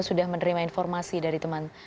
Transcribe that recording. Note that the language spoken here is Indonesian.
sudah menerima informasi dari teman